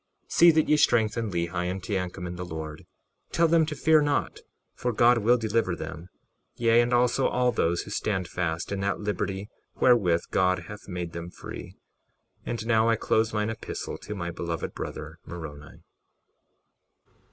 61:21 See that ye strengthen Lehi and Teancum in the Lord; tell them to fear not, for God will deliver them, yea, and also all those who stand fast in that liberty wherewith God hath made them free. And now I close mine epistle to my beloved brother, Moroni.